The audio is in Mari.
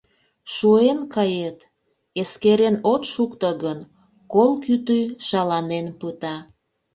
Шуэн кает, эскерен от шукто гын, кол кӱтӱ шаланен пыта.